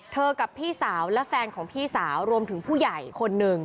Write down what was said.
กับพี่สาวและแฟนของพี่สาวรวมถึงผู้ใหญ่คนหนึ่ง